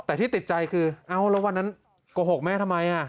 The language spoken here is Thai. แต่ที่ติดใจคือเอ้าแล้ววันนั้นโกหกแม่ทำไม